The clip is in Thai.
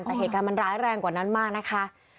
แต่เหตุการณ์มันร้ายแรงกว่านั้นมากนะคะ